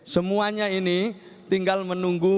semuanya ini tinggal menunggu